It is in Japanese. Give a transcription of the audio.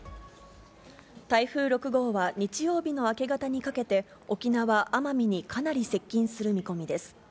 台風６号は、日曜日の明け方にかけて沖縄・奄美にかなり接近する見込みです。